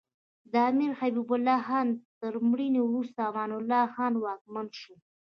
د امیر حبیب الله خان تر مړینې وروسته امان الله خان واکمن شو.